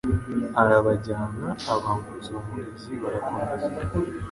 arabajyana abambutsa uwo mugezi barakomeza